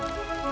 dia ikut riri